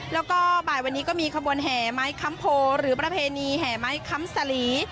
แล้วก็บ่ายวันนี้ก็มีขบวนแห่ไม้คำโพหรือประเพณีแห่ไม้ค้ำสลี